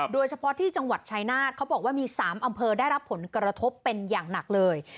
โดยเฉพาะที่จังหวัดชายนาฏเขาบอกว่ามี๓อำเภอได้รับผลกระทบเป็นอย่างหนักเลย